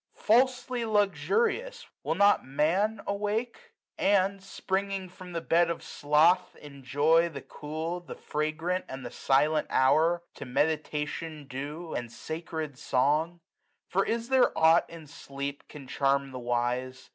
Falsely luxurious, will not Man awake ? And, springing from the bed of sloth, enjoy The cool, the fragrant, and the silent hour. To meditation due and sacred song ? Jo For is there aught in sleep can charm the wise